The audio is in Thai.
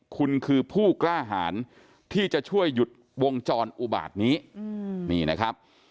คุณคือผู้กล้าหารที่จะช่วยหยุดวงจรอุบาตนี้นี่นะครับ